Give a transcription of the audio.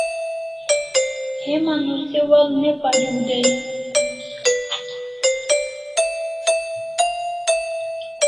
Heman o se wa'al ne pariu dai